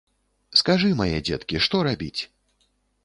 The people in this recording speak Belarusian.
Скажы, мае дзеткі, што рабіць?